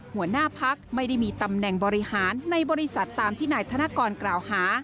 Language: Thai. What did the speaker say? หัวหน้าพักไม่ได้มีตำแหน่งบริหารในบริษัทตามที่นายธนกรกล่าวหา